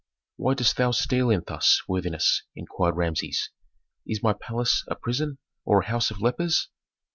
"Why dost thou steal in thus, worthiness?" inquired Rameses. "Is my palace a prison, or a house of lepers?"